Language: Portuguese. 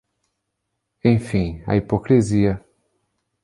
Enfim, a hipocrisia